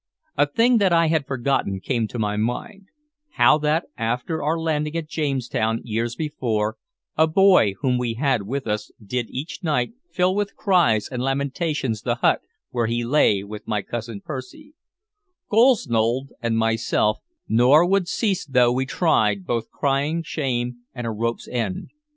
A thing that I had forgotten came to my mind: how that, after our landing at Jamestown, years before, a boy whom we had with us did each night fill with cries and lamentations the hut where he lay with my cousin Percy, Gosnold, and myself, nor would cease though we tried both crying shame and a rope's end.